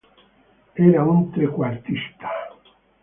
Era un trequartista.